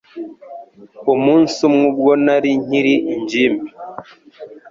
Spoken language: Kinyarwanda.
Umunsi umwe, ubwo nari nkiri ingimbi,